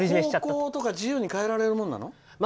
方向とか自由に変えられるものなの？